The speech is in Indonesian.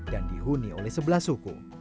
dan dihuni oleh sebelas suku